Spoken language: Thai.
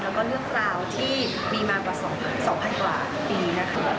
แล้วก็เรื่องราวที่มีมากว่า๒๐๐กว่าปีนะคะ